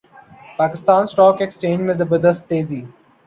Pakistan stock exchange میں زبردست تیزی